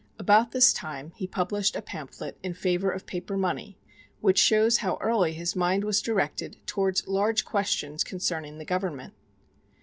About this time he published a pamphlet in favor of paper money, which shows how early his mind was directed towards large questions concerning the government.